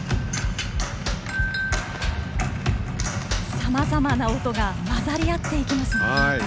さまざまな音が混ざり合っていきますね。